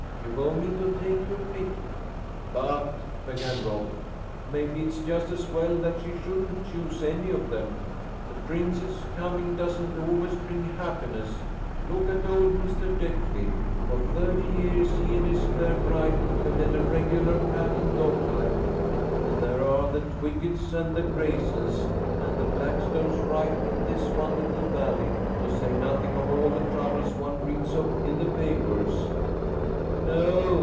You've only to take your pick." "But," began Rob, "maybe it is just as well that she shouldn't choose any of them. The prince's coming doesn't always bring happiness. Look at old Mr. Deckly. For thirty years he and his fair bride have led a regular cat and dog life. And there are the Twicketts and the Graysons and the Blackstones right in this one little valley, to say nothing of all the troubles one reads of in the papers." "No!"